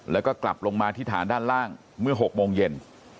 แล้วก็กลับลงมาที่ฐานด้านล่างเมื่อ๖โมงเย็น